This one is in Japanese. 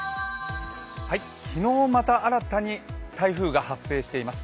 昨日また新たに台風が発生しています。